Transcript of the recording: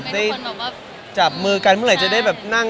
เพราะความหญ่นี่อาจจะเป็นคนแบบว่า